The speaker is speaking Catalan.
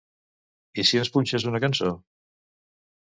I si ens punxes una cançó?